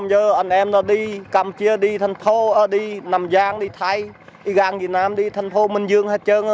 giờ anh em nó đi campuchia đi thành phố đi nam giang đi thái đi nam việt nam đi thành phố mình dương hết trơn